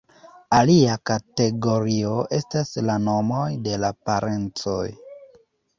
Alia kategorio estas la nomoj de la parencoj.